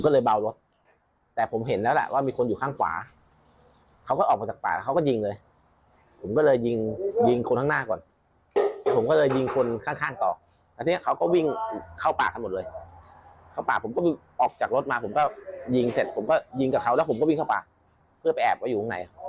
แล้วผมก็วิ่งเข้าไปเพื่อไปแอบไว้อยู่ข้างใน